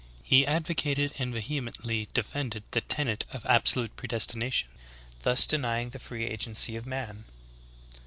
He advocated and vehemently defended the tenet of absolute predestination, thus denying the free agency of man.